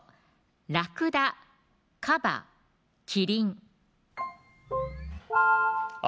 ラクダ・カバ・キリン青